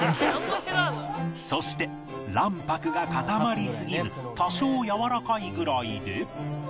そして卵白が固まりすぎず多少やわらかいぐらいで